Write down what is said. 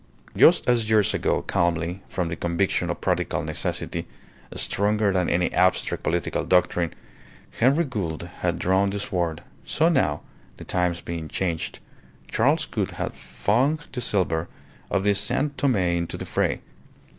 Just as years ago, calmly, from the conviction of practical necessity, stronger than any abstract political doctrine, Henry Gould had drawn the sword, so now, the times being changed, Charles Gould had flung the silver of the San Tome into the fray.